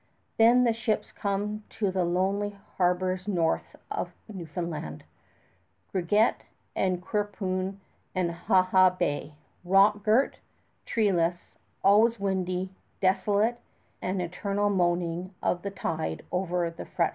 Then the ships come to those lonely harbors north of Newfoundland Griguet and Quirpon and Ha Ha Bay, rock girt, treeless, always windy, desolate, with an eternal moaning of the tide over the fretful reefs.